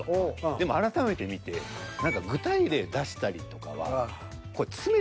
でも改めて見て何か具体例出したりとかは。